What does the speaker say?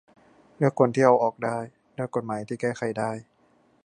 เลือกคนที่เอาออกได้ เลือกกฎหมายที่แก้ไขได้